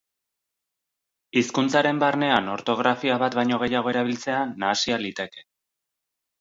Hizkuntzaren barnean ortografia bat baino gehiago erabiltzea nahasia liteke.